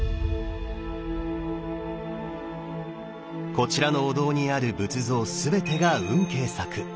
こちらのお堂にある仏像すべてが運慶作。